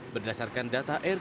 berdasarkan data rkm